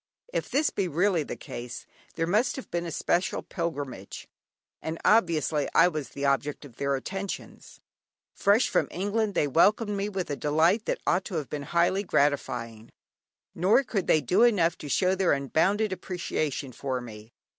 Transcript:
If this be really the case, there must have been a special pilgrimage, and obviously I was the object of their attentions. Fresh from England, they welcomed me with a delight that ought to have been highly gratifying; nor could they do enough to show their unbounded appreciation of me.